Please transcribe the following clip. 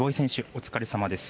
お疲れさまです。